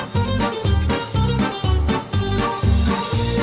สวัสดีค่ะ